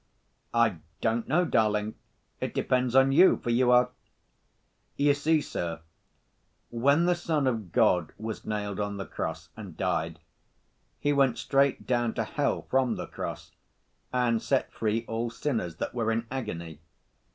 "I don't know, darling, it depends on you, for you are ... you see, sir, when the Son of God was nailed on the Cross and died, He went straight down to hell from the Cross, and set free all sinners that were in agony.